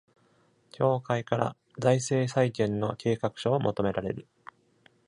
協会から財政再建の計画書を求められる